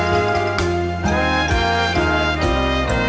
เพราะว่าร้องเพลงเก่งนี่ร้องได้แน่แต่พี่เอ๊ก็อย่าลืมว่า